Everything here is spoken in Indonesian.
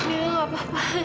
milah gak apa apa